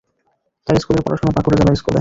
তার স্কুলের পড়াশোনা বাঁকুড়া জেলা স্কুলে।